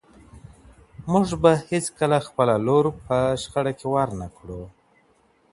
موږ به هيڅکله خپله لور په شخړه کي ورنکړو.